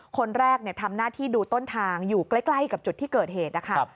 คนแรกทำหน้าที่ดูต้นทางอยู่ใกล้กับจุดที่เกิดเหตุนะคะ